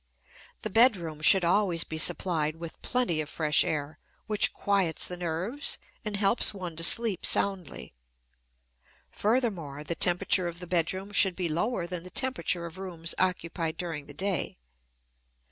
The bed room should always be supplied with plenty, of fresh air, which "quiets the nerves" and helps one to sleep soundly. Furthermore, the temperature of the bed room should be lower than the temperature of rooms occupied during the day.